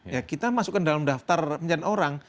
ya kita masukkan dalam daftar pencarian orang